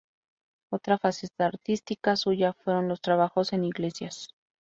Otra faceta artística suya fueron los trabajos en iglesias.